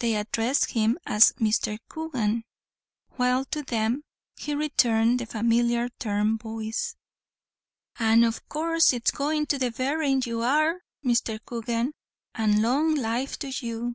They addressed him as "Mr. Coogan," while to them he returned the familiar term "boys." "And av coorse it's goin' to the berrin, you are, Mr. Coogan, and long life to you."